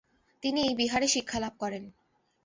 তিনি এই বিহারে শিক্ষালাভ করেন।